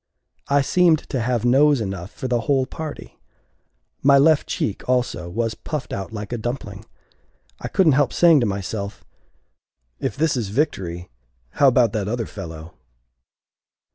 I seemed to have nose enough for the whole party. My left cheek, also, was puffed out like a dumpling. I couldn't help saying to myself, "If this is victory, how about that other fellow?"